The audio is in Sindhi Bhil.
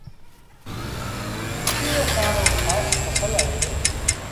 ڦُٽيٚ اسآݩ رو کآس ڦسل اهي